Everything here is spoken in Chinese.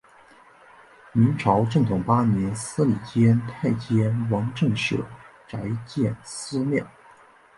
明朝正统八年司礼监太监王振舍宅建私庙。